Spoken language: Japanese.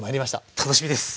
楽しみです。